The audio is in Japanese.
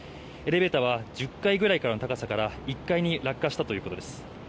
エレベーターは１０階ぐらいの高さから１階に落下したということです。